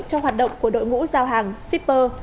cho hoạt động của đội ngũ giao hàng shipper